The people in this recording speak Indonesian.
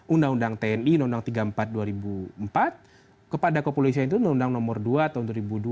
undang undang tni undang undang tiga puluh empat dua ribu empat kepada kepolisian itu undang nomor dua tahun dua ribu dua